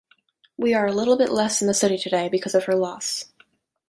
We are a little bit less in the city today because of her loss.